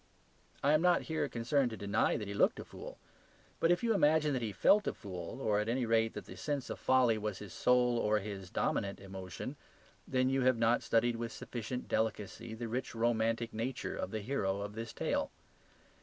I am not here concerned to deny that he looked a fool. But if you imagine that he felt a fool, or at any rate that the sense of folly was his sole or his dominant emotion, then you have not studied with sufficient delicacy the rich romantic nature of the hero of this tale.